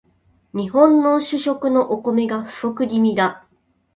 日本の主食のお米が不足気味だ